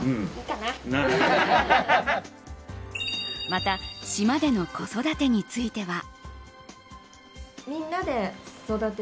また、島での子育てについては。